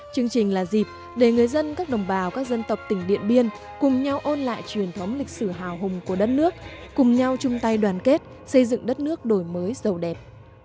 chương trình là dịp để người dân các đồng bào các dân tộc tỉnh điện biên cùng nhau ôn lại truyền thống lịch sử hào hùng của đất nước cùng nhau chung tay đoàn kết xây dựng đất nước đổi mới giàu đẹp